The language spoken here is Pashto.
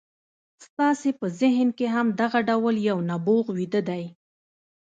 ستاسې په ذهن کې هم دغه ډول یو نبوغ ویده دی